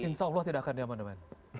insya allah tidak akan di amandemen